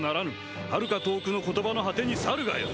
「はるか遠くの言葉の果てに去るがよい」